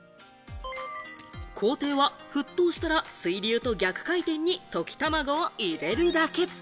工程は、沸騰したら水流と逆回転に溶きたまごを入れるだけ。